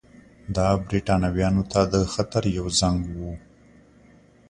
دا برېټانویانو ته د خطر یو زنګ وو.